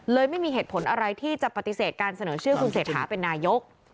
ไม่มีเหตุผลอะไรที่จะปฏิเสธการเสนอชื่อคุณเศรษฐาเป็นนายก